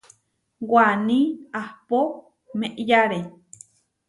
Waní ahpó meʼyare.